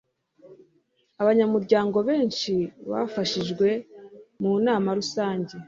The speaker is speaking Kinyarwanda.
Abanyamuryango benshi bafashijwe mu nama rusange.